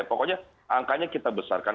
pokoknya angkanya kita besarkan